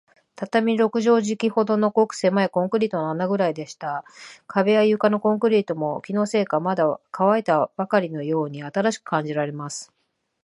畳六畳敷きほどの、ごくせまいコンクリートの穴ぐらでした。壁や床のコンクリートも、気のせいか、まだかわいたばかりのように新しく感じられます。